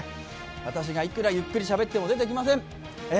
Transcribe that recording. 私がいくらゆっくりしゃべっても出てきません。